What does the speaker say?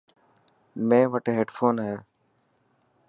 ميڻ وٽ هيڊفون هي.